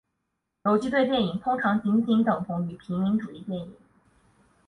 游击队电影通常仅仅等同于平民主义电影。